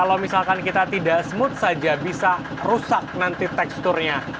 jadi misalkan kita tidak smooth saja bisa rusak nanti teksturnya